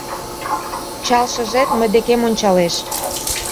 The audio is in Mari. Чал Шыжет мый декем ончалеш.